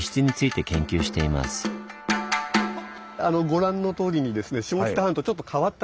ご覧のとおりにですね